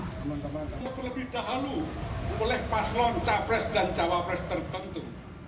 untuk lebih dahulu oleh paslon capres dan cawapres tertentu